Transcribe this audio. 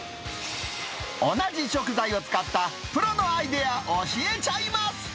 同じ食材を使ったプロのアイデア、教えちゃいます。